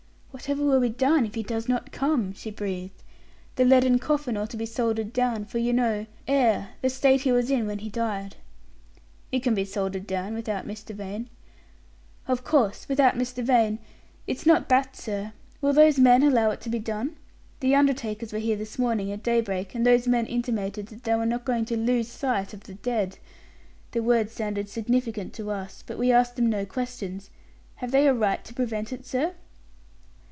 "Whatever will be done if he does not come?" she breathed. "The leaden coffin ought to be soldered down, for you know, sir, the state he was in when he died." "It can be soldered down without Mr. Vane." "Of course without Mr. Vane. It's not that, sir. Will those men allow it to be done? The undertakers were here this morning at daybreak, and those men intimated that they were not going to lose sight of the dead. The words sounded significant to us, but we asked them no questions. Have they a right to prevent it, sir?"